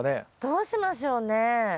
どうしましょうね。